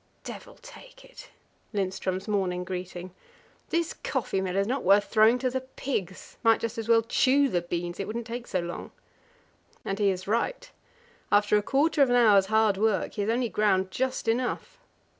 "Devil take it" Lindström's morning greeting "this coffee mill is not worth throwing to the pigs! Might just as well chew the beans. It wouldn't take so long." And he is right; after a quarter of an hour's hard work he has only ground just enough.